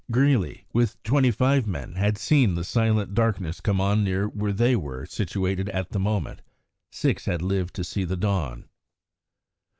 Greely, with twenty five men, had seen the silent darkness come on near where they were situated at the moment six had lived to see the dawn.